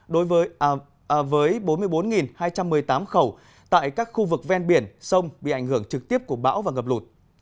đối với bốn mươi bốn hai trăm một mươi tám khẩu tại các khu vực ven biển sông bị ảnh hưởng trực tiếp của bão và ngập lụt